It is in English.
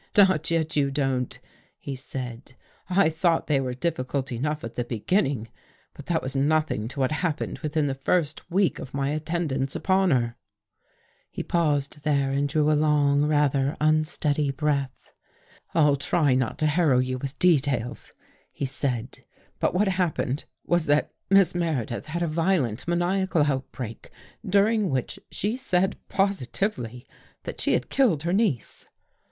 " Not yet you don't," he said. " I thought they were difficult enough at the beginning, but that was nothing to what happened within the first week of my attendance upon her." He paused there and drew a long, rather un steady breath. " I'll try not to harrow you with 187 THE GHOST GIRL details," he said. " But what happened was that Miss Meredith had a violent maniacal outbreak, during which she said positively that she had killed her niece."